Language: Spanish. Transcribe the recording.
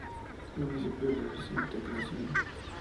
Municipio de reciente creación.